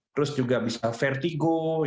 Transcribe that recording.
terus juga bisa vertigo